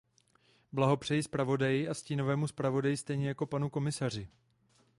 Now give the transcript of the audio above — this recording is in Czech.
Blahopřeji zpravodaji a stínovému zpravodaji stejně jako panu komisaři.